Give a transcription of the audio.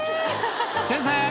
先生。